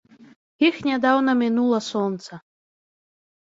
Іх нядаўна мінула сонца.